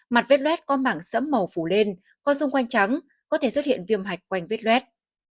mặt vết luet có mảng sẫm màu phủ lên có xung quanh trắng có thể xuất hiện viêm hạch quanh vết luet